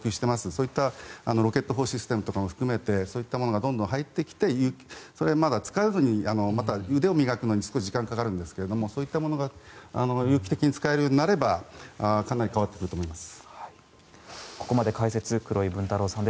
そういったロケット砲システムとかも含めてそういったものがどんどん入ってきてそれをまだ使うのに腕を磨くのに時間がかかるんですがそういったものが使えるようになればかなり変わってくると思います。